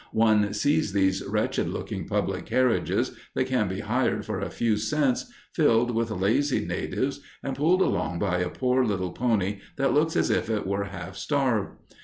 One sees these wretched looking public carriages that can be hired for a few cents filled with lazy natives and pulled along by a poor little pony that looks as if it were half starved.